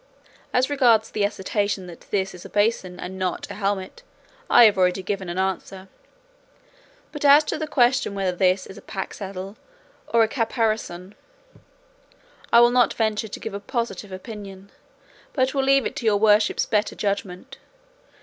As regards the assertion that this is a basin and not a helmet I have already given an answer; but as to the question whether this is a pack saddle or a caparison I will not venture to give a positive opinion, but will leave it to your worships' better judgment.